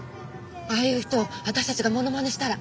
ああいう人を私たちがモノマネしたら。